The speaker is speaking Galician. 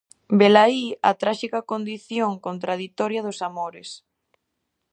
Velaí a tráxica condición contraditoria dos amores.